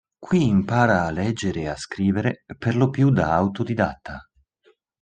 Qui impara a leggere e scrivere, per lo più da autodidatta.